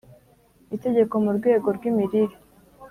Itegeko mu rwego rw imirire